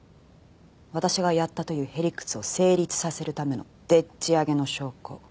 私がやったというへりくつを成立させるためのでっち上げの証拠。